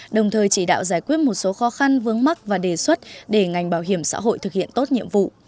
đồng thời chỉ đạo giải quyết một số khó khăn vướng mắt và đề xuất để ngành bảo hiểm xã hội thực hiện tốt nhiệm vụ